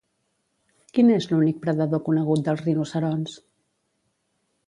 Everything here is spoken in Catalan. Quin és l'únic predador conegut dels rinoceronts?